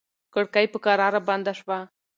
کړکۍ په کراره بنده شوه.